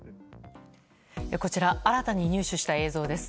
こちら、新たに入手した映像です。